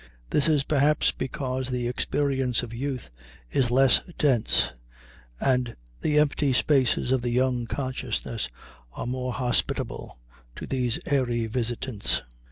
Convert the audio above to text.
This is perhaps because the experience of youth is less dense, and the empty spaces of the young consciousness are more hospitable to these airy visitants.